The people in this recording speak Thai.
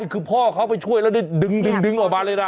คือพ่อเขาไปช่วยแล้วนี่ดึงออกมาเลยนะ